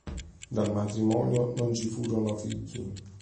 Dal matrimonio non ci furono figli.